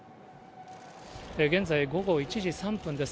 現在、午後１時３分です。